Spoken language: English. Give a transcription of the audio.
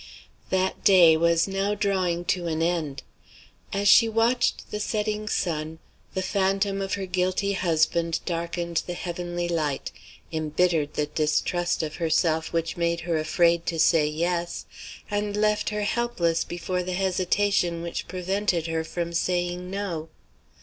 That day was now drawing to an end. As she watched the setting sun, the phantom of her guilty husband darkened the heavenly light; imbittered the distrust of herself which made her afraid to say Yes; and left her helpless before the hesitation which prevented her from saying No.